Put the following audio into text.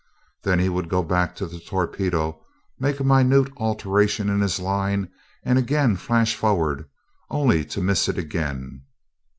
Then he would go back to the torpedo, make a minute alteration in his line, and again flash forward, only to miss it again.